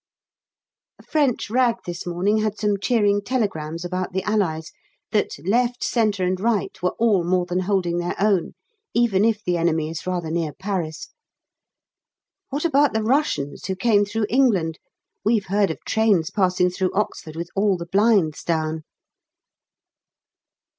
A French rag this morning had some cheering telegrams about the Allies that left, centre, and right were all more than holding their own, even if the enemy is rather near Paris. What about the Russians who came through England? We've heard of trains passing through Oxford with all the blinds down.